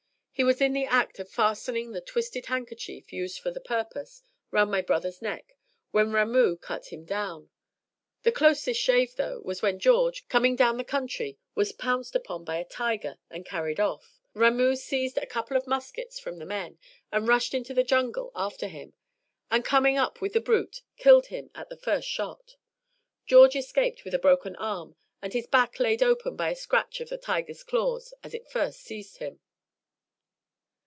He was in the act of fastening the twisted handkerchief, used for the purpose, round my brother's neck, when Ramoo cut him down. The closest shave, though, was when George, coming down the country, was pounced upon by a tiger and carried off. Ramoo seized a couple of muskets from the men, and rushed into the jungle after him, and coming up with the brute killed him at the first shot. George escaped with a broken arm and his back laid open by a scratch of the tiger's claws as it first seized him.